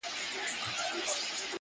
o چي په اسانه ئې گټې، په اسانه ئې بايلې٫